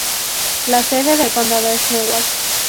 La sede del condado es Newark.